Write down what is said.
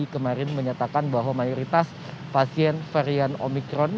kemarin menyatakan bahwa mayoritas pasien varian omikron